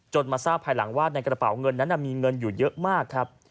มาทราบภายหลังว่าในกระเป๋าเงินนั้นมีเงินอยู่เยอะมากครับ